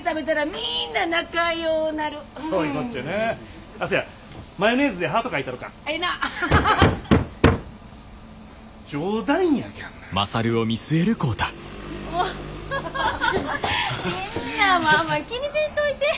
みんなもあんま気にせんといて。